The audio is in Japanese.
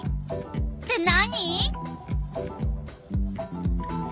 って何？